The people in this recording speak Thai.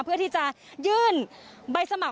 เพื่อที่จะยื่นใบสมัคร